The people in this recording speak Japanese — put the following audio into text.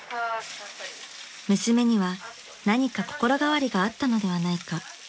［娘には何か心変わりがあったのではないか］